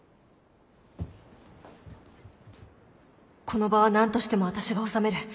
この場は何としても私が収める。